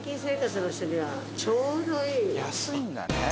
安いんだね。